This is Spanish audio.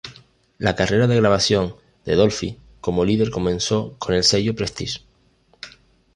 La carrera de grabación de Dolphy como líder comenzó con el sello Prestige.